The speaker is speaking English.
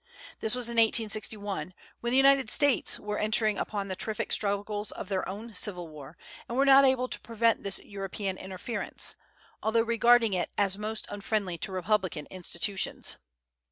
This was in 1861, when the United States were entering upon the terrific struggles of their own civil war, and were not able to prevent this European interference, although regarding it as most unfriendly to republican institutions.